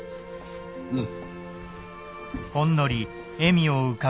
うん。